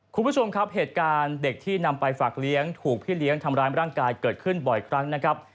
คุณผู้ชมครับเหตุการณ์เด็กที่นำไปฝากเลี้ยงถูกพี่เลี้ยงทำร้ายร่างกายเกิดขึ้นบ่อยครั้งนะครับ